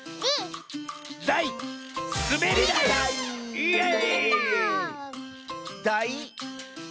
イエイ！